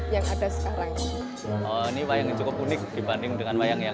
jadi saya yakin ada banyak cara untuk menjaga eksistensi wayang beber dalam materi pembelajaran di lembaga pendidikan